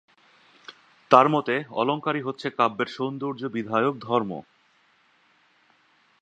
তাঁর মতে অলঙ্কারই হচ্ছে কাব্যের সৌন্দর্য-বিধায়ক ধর্ম।